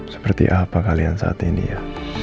seperti apa kalian saat ini ya